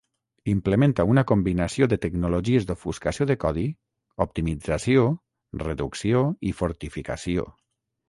Implementa una combinació de tecnologies d'ofuscació de codi, optimització, reducció i fortificació.